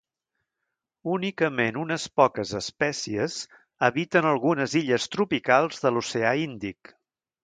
Únicament unes poques espècies habiten algunes illes tropicals de l'Oceà Índic.